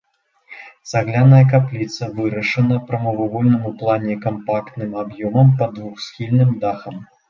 Цагляная капліца вырашана прамавугольным у плане кампактным аб'ёмам пад двухсхільным дахам.